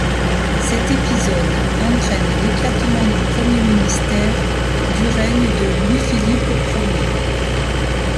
Cet épisode entraîne l'éclatement du premier ministère du règne de Louis-Philippe Ier.